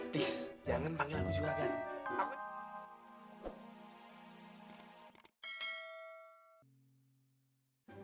please jangan panggil aku juragan